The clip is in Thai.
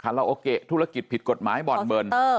ลาโอเกะธุรกิจผิดกฎหมายบ่อนเบิร์น